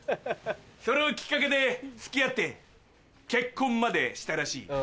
それをきっかけで付き合って結婚までしたらしい。